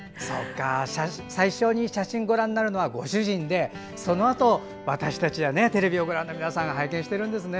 最初に写真をご覧になるのはご主人で、そのあと、私たちやテレビをご覧の皆さんが拝見しているんですね。